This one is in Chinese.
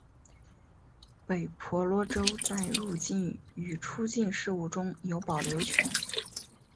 北婆罗洲在入境与出境事务中有保留权。